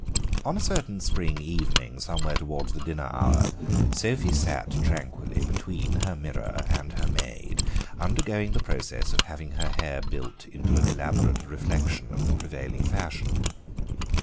On a certain spring evening, somewhere towards the dinner hour, Sophie sat tranquilly between her mirror and her maid, undergoing the process of having her hair built into an elaborate reflection of the prevailing fashion.